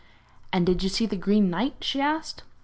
'And did you see the Green Knight?' she asked.